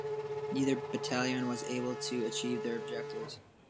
Neither battalion was able to achieve their objectives.